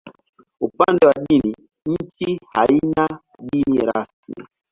Upande wa dini, nchi haina dini rasmi.